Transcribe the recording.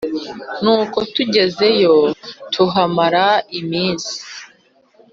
nuko tugezeyo tuhamara iminsi